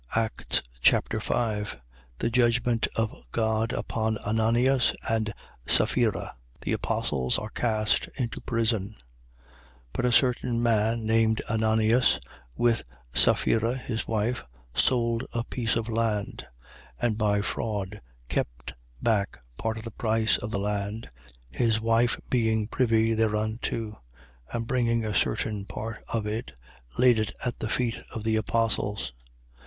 Acts Chapter 5 The judgment of God upon Ananias and Saphira. The apostles are cast into prison. 5:1. But a certain man named Ananias, with Saphira his wife, sold a piece of land, 5:2. And by fraud kept back part of the price of the land, his wife being privy thereunto: and bringing a certain part of it, laid it at the feet of the apostles.